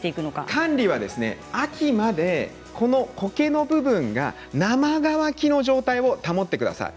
管理は秋までこの固形の部分が生乾きの状態を保ってください。